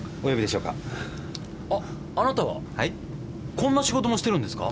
こんな仕事もしてるんですか？